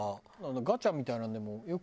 ガチャみたいなのでもよく。